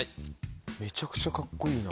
めちゃくちゃカッコいいな。